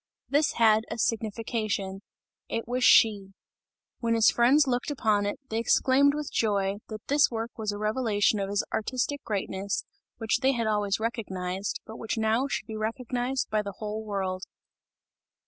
This had a signification it was She. When his friends looked upon it, they exclaimed with joy, that this work was a revelation of his artistic greatness, which they had always recognized, but which now should be recognized by the whole world.